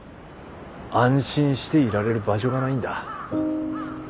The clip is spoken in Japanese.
安心していられる場所がないんだ。